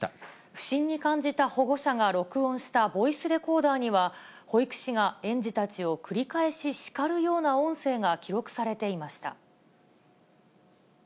不審に感じた保護者が録音したボイスレコーダーには、保育士が園児たちを繰り返し叱るような音声が記録されていました。